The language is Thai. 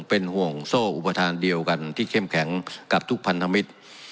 เป็นห่วงโซ่อุปทานเดียวกันที่เข้มแข็งกับทุกพันธมิตร